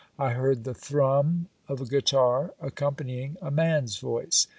I heard the thrum of a guitar, accom panying a man's voice.